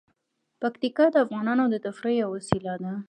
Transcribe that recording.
پکتیکا د افغانانو د تفریح یوه وسیله ده.